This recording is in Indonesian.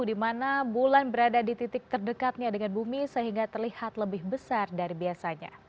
di mana bulan berada di titik terdekatnya dengan bumi sehingga terlihat lebih besar dari biasanya